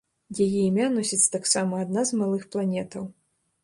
Яе імя носіць таксама адна з малых планетаў.